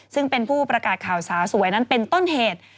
ซึ่งเป็นผู้ประกาศข่าวสาวสวยนั้นเป็นต้นเหตุ